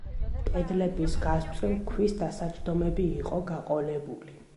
კედლების გასწვრივ ქვის დასაჯდომები იყო გაყოლებული.